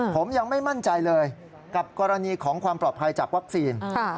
ผมยังไม่มั่นใจเลยกับกรณีของความปลอดภัยจากวัคซีน